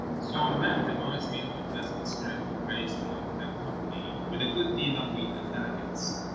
Soi même reminds me of a pleasant spirit who graced our little company with a good deal of wit and elegance.